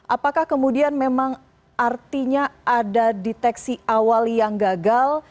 apakah kemudian memang artinya ada deteksi awal yang gagal